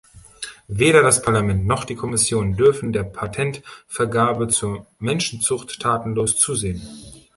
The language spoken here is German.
Weder das Parlament noch die Kommission dürfen der Patentvergabe zur Menschenzucht tatenlos zusehen.